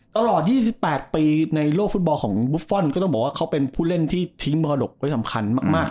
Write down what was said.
ตลอด๒๘ปีในโลกฟุตบอลของบุฟฟอลก็ต้องบอกว่าเขาเป็นผู้เล่นที่ทิ้งมรดกไว้สำคัญมาก